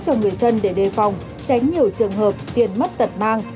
cho người dân để đề phòng tránh nhiều trường hợp tiền mất tật mang